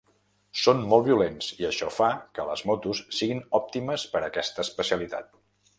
Són molt violents i això fa que les motos siguin òptimes per a aquesta especialitat.